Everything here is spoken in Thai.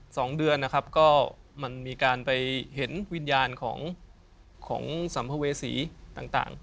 สองเดือนนะครับก็มันมีการไปเห็นวิญญาณของของสัมภเวษีต่างต่าง